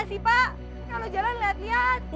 ini lo kan ada keju aku